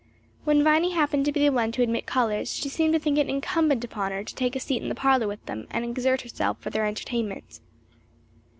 When Viny happened to be the one to admit callers, she seemed to think it incumbent upon her to take a seat in the parlor with them and exert herself for their entertainment.